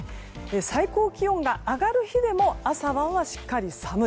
最高気温が上がる日でも朝晩はしっかり寒い。